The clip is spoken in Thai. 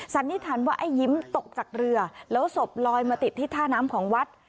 สันนิษฐานว่าไอ้ยิ้มตกจากเรือแล้วศพลอยมาติดที่ท่าน้ำของวัด